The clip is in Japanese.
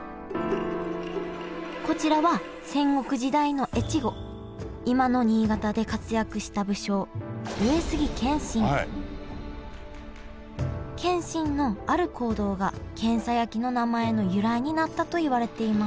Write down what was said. こちらは戦国時代の越後今の新潟で活躍した武将謙信のある行動がけんさ焼きの名前の由来になったといわれています